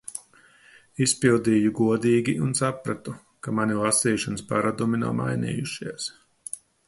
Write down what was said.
Izpildīju godīgi un sapratu, ka mani lasīšanas paradumi nav mainījušies.